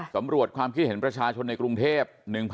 สำรวจความคิดเห็นประชาชนในกรุงเทพ